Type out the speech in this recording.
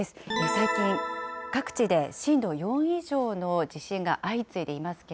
最近、各地で震度４以上の地震が相次いでいますけ